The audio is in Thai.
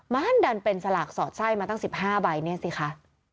มันดันเป็นสลากสอดไส้มาตั้ง๑๕ใบเนี่ยสิคะ